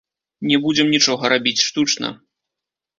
Не будзем нічога рабіць штучна.